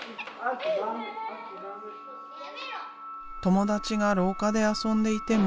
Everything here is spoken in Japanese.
友達が廊下で遊んでいても